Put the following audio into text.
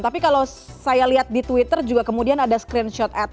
tapi kalau saya lihat di twitter juga kemudian ada screenshot at